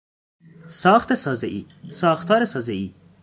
ساخت سازهای، ساختار سازهای